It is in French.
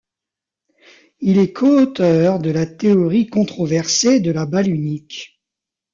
Il est coauteur de la théorie controversée de la balle unique.